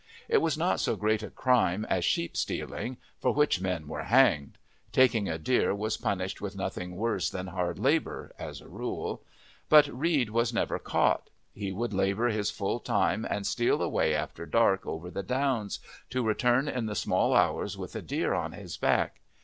It was not so great a crime as sheep stealing, for which men were hanged; taking a deer was punished with nothing worse than hard labour, as a rule. But Reed was never caught; he would labour his full time and steal away after dark over the downs, to return in the small hours with a deer on his back.